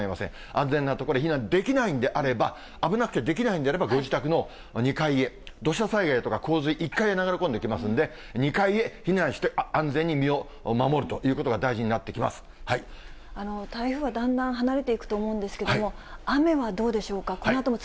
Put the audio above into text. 安全な所に避難できないんであれば、危なくてできないんであれば、ご自宅の２階へ、土砂災害とか洪水、１階へ流れ込んできますので、２階へ避難して、安全に身を守る台風はだんだん離れていくと思うんですけれども、雨はどうでしょうか。